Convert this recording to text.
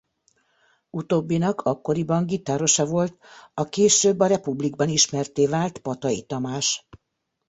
Utóbbinak akkoriban gitárosa volt a később a Republicban ismertté vált Patai Tamás.